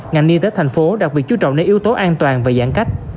ngành y tế thành phố đặc biệt chú trọng đến yếu tố an toàn và giãn cách